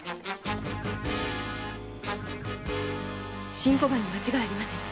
新小判に間違いありません。